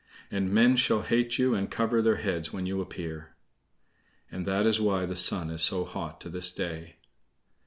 And men shall hate you and cover their heads when you appear." (And that is why the Sun is so hot to this day.)